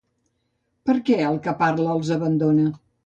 Per què el que parla els abandona?